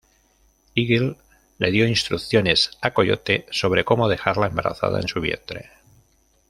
Eagle le dio instrucciones a Coyote sobre cómo dejarla embarazada en su vientre.